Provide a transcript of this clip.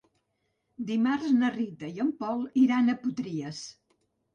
Dimarts na Rita i en Pol iran a Potries.